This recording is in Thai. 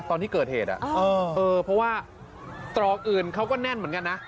ตอนที่เกิดเหตุเพราะว่าตรอกอื่นเขาก็แน่นเหมือนกันนะ